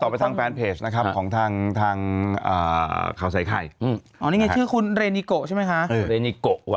คุณพี่ดูบอกนิดนึงว่าให้